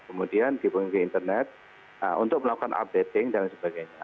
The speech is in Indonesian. kemudian dihubung ke internet untuk melakukan updating dan sebagainya